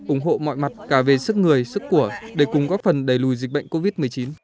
ủng hộ mọi mặt cả về sức người sức của để cùng góp phần đẩy lùi dịch bệnh covid một mươi chín